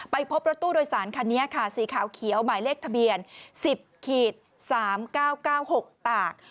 พบรถตู้โดยสารคันนี้ค่ะสีขาวเขียวหมายเลขทะเบียน๑๐๓๙๙๖ตาก